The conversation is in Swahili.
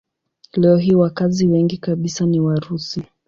Leo hii wakazi wengi kabisa ni Warusi.